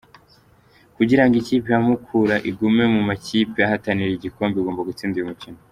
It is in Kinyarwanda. Kugirango ikipe ya Mukura igume mu makipe ahatanira igikombe igomba gutsinda uyu mukino.